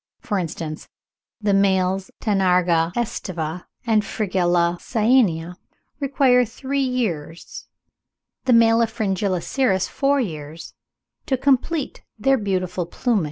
For instance, the males of Tanagra aestiva and Fringilla cyanea require three years, the male of Fringilla ciris four years, to complete their beautiful plumage.